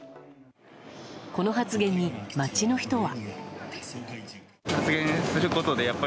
この発言に街の人は。